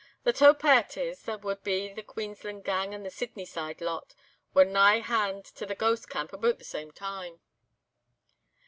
The twa pairties, that wad be the Queensland gang, and the Sydney side lot, were nigh hand to the 'Ghost Camp' aboot the same time.